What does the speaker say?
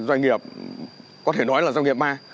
doanh nghiệp có thể nói là doanh nghiệp ma